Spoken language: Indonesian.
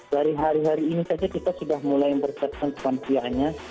dari hari hari ini saja kita sudah mulai mempersiapkan lansianya